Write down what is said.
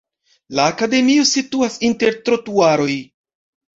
La akademio situas inter trotuaroj.